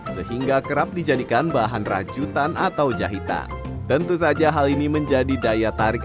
sehingga kerap dijadikan bahan rajutan atau jahitan tentu saja hal ini menjadi daya tarik